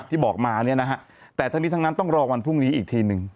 ที่บอกมาแต่ทั้งนี้ทั้งนั้นต้องรอวันพรุ่งนี้อีกทีหนึ่ง